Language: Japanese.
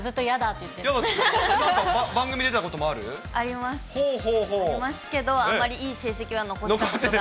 ありますけど、あんまりいい成績は残せなかった。